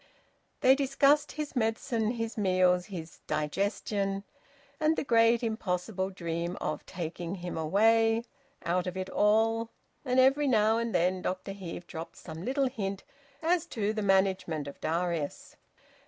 They discussed his medicine, his meals, his digestion, and the great, impossible dream of `taking him away,' `out of it all.' And every now and then Dr Heve dropped some little hint as to the management of Darius.